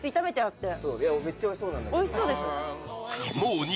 めっちゃおいしそう。